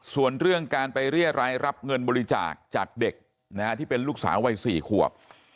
ส่วนเรื่องการไปเรียรายรับเงินบริจาคจากเด็กที่เป็นลูกสาววัย๔ขวบ